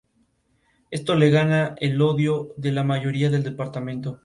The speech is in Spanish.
Los cometidos no tuvieron represalias por los Altos Mandos.